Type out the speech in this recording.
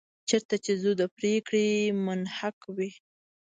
چېرته چې زور د پرېکړې محک وي.